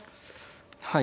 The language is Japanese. はい。